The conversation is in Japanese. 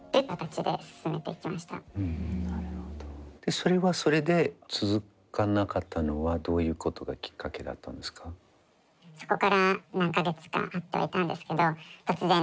それはそれで続かなかったのはどういうことがきっかけだったんですか？